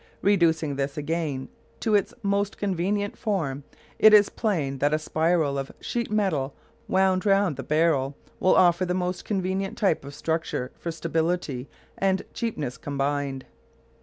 Reducing this again to its most convenient form, it is plain that a spiral of sheet metal wound round the barrel will offer the most convenient type of structure for stability and cheapness combined.